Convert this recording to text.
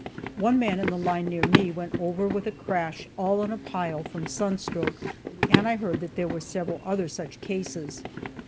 One man in the line near me went over with a crash, all in a pile, from sunstroke, and I heard that there were several other such cases.